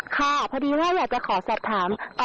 ค่ะพอดีว่าอยากจะขอสอบถาม